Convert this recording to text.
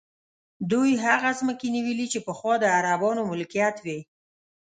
دوی هغه ځمکې نیولي چې پخوا د عربانو ملکیت وې.